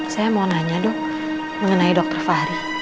saya mau nanya dong mengenai dokter fahri